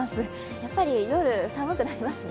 やっぱり夜、寒くなりますね。